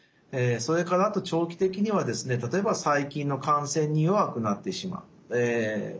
それからあと長期的にはですね例えば細菌の感染に弱くなってしまうそういったリスクもあります。